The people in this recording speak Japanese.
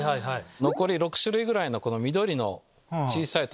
残り６種類ぐらいの緑の小さい玉